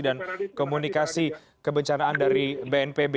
dan komunikasi kebencanaan dari bnpb